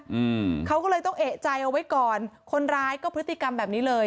อืมเขาก็เลยต้องเอกใจเอาไว้ก่อนคนร้ายก็พฤติกรรมแบบนี้เลย